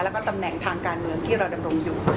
แล้วก็ตำแหน่งทางการเมืองที่เราดำรงอยู่